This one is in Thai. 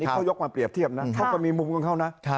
เขายกมาเปรียบเทียบนะเขาก็มีมุมของเขานะ